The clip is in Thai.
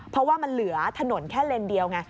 เพราะว่ามันเหลือถนนแค่เลนเดียวไง